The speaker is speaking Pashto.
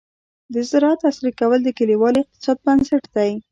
د زراعت عصري کول د کليوال اقتصاد بنسټ دی.